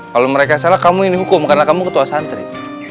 kalau mereka salah kamu yang dihukum karena kamu ketua santri